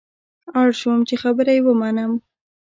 اړ شوم چې خبره یې ومنم.